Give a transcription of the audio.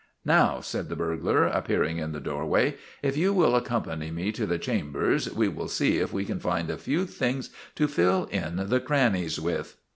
" Now," said the burglar, appearing in the door way, " if you will accompany me to the chambers we will see if we can find a few things to fill in the crannies with."